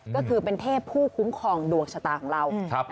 ก็คือเป็นเทพผู้คุ้มครองดวงชะตาของเรา